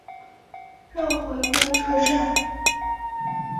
绕回公车站